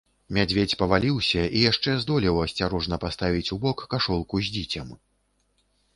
Мядзведзь паваліўся і яшчэ здолеў асцярожна паставіць убок кашолку з дзіцем.